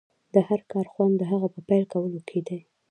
د هر کار خوند د هغه په پيل کولو کې دی.